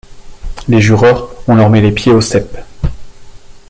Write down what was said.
Les jureurs, on leur met les pieds aux ceps.